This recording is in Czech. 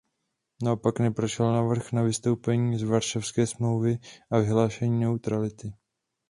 Naopak neprošel návrh na vystoupení z Varšavské smlouvy a vyhlášení neutrality.